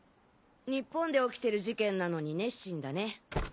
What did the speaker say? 日本で起きてる事件なのに熱心だね。